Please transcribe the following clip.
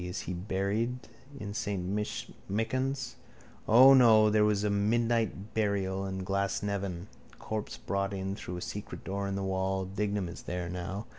Is he buried in saint Michan's? Or no, there was a midnight burial in Glasnevin. Corpse brought in through a secret door in the wall. Dignam is there now.